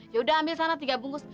yaudah ambil sana tiga bungkus